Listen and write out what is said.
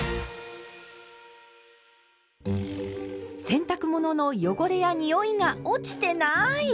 洗濯物の汚れやにおいが落ちてない！